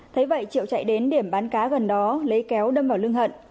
thấy vậy triệu chạy đến điểm bán cá gần đó lấy kéo đâm vào lưng hận